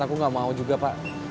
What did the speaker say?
aku gak mau juga pak